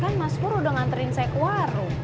kan mas pur udah nganterin saya ke warung